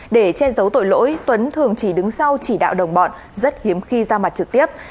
để che giấu tội lỗi tuấn thường chỉ đứng sau chỉ đạo đồng bọn rất hiếm khi ra mặt trực tiếp